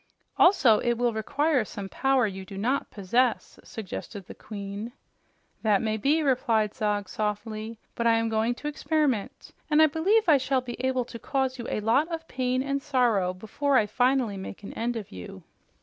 "Also, it will require some power you do not possess," suggested the Queen. "That may be," replied Zog softly. "But I am going to experiment, and I believe I shall be able to cause you a lot of pain and sorrow before I finally make an end of you.